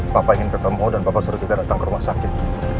papa ingin bertemu dan papa suruh juga datang ke rumah sakit